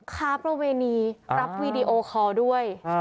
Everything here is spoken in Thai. ค้าประเวณีรับวีดีโอคอร์ด้วย